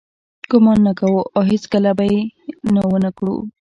ګمان نه کوو او هیڅکله به یې ونه کړو.